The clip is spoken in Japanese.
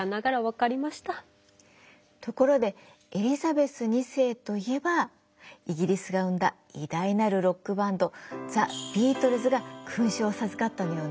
ところでエリザベス２世といえばイギリスが生んだ偉大なるロックバンドザ・ビートルズが勲章を授かったのよね。